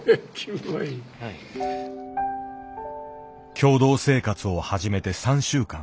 共同生活を始めて３週間。